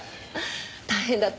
大変だったわね。